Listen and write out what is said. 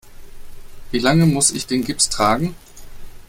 Wie lange muss ich den Gips tragen?